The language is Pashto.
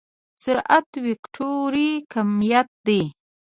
سرعت وکتوري کميت دی.